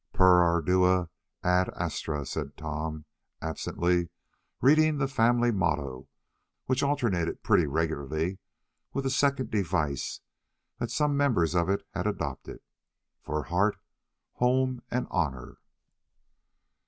"Per ardua ad astra," said Tom, absently reading the family motto which alternated pretty regularly with a second device that some members of it had adopted—"For Heart, Home, and Honour."